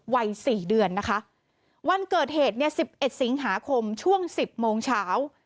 วัย๔เดือนวันเกิดเหตุ๑๑สิงหาคมช่วง๑๐โมงเช้า